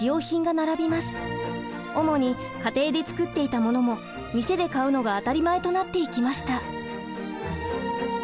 主に家庭で作っていたものも店で買うのが当たり前となっていきました。